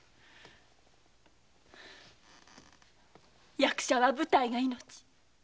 役者は舞台が命。